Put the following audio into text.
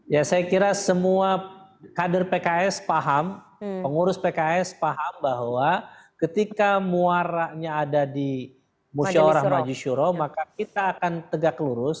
ya saya kira semua kader pks paham pengurus pks paham bahwa ketika muaranya ada di musyawarah majisyuro maka kita akan tegak lurus